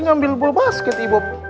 ngambil bola basket ibo